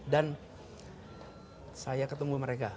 dan saya ketemu mereka